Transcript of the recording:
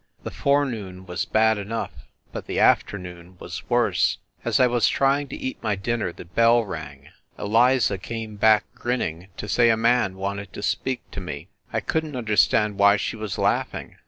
the forenoon was bad enough but the afternoon was worse. ... As I was trying to eat my dinner the bell rang. Eliza came back, grinning, to say a man wanted to speak to me. ... I couldn t understand why she was laughing.